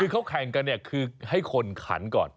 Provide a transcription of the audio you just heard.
คือเขาแข่งกันเนี่ยคือให้คนขันก่อน